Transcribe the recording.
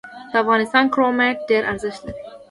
د افغانستان کرومایټ ډیر ارزښت لري